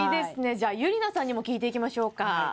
じゃあゆりなさんにも聞いていきましょうか。